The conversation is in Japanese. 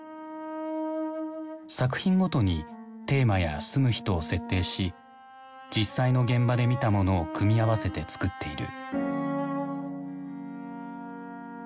作品ごとにテーマや住む人を設定し実際の現場で見たものを組み合わせて作っている。